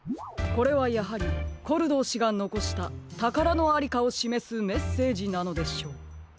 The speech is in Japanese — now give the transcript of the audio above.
これはやはりコルドー氏がのこしたたからのありかをしめすメッセージなのでしょう。